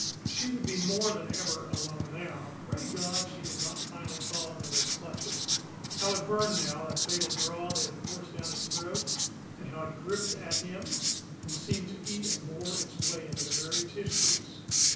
She would be more than ever alone now. Pray God she did not finally fall into their clutches! How it burned now, that fatal draught they had forced down his throat, and how it gripped at him and seemed to eat and bore its way into the very tissues!